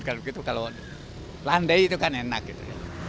kalau landai itu kan enak gitu